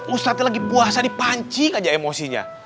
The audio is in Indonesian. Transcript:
ustadznya lagi puasa dipancing aja emosinya